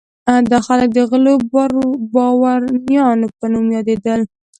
دا خلک د غلو بارونیانو په نوم یادېدل.